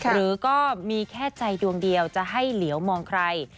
หรือก็มีแค่ใจดวงเดียวจะให้เหลียวมองใคร